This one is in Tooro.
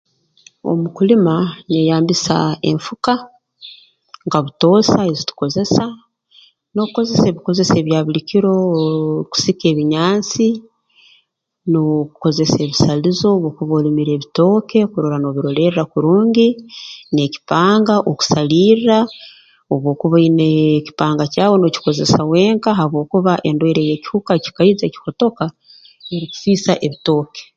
Omu kulima nyeyambisa enfuka nka butoosa ezi tukozesa n'okukozesa ebikozesa ebya buli kiroo kusika ebinyansi n'okukozesa ebisalizo obu okuba olimire ebitooke kurora noobirolerra kurungi n'ekipanga okusalirra obu okuba oinee ekipanga kyawe nookikozesa wenka habwokuba endwaire y'ekihuka kikaija kihotoka erukusiisa ebitooke